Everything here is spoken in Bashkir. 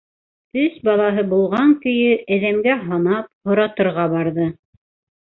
Өс балаһы булған көйө. әҙәмгә һанап, һоратырға барҙы.